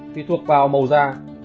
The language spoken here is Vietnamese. tuy thuộc vào màu da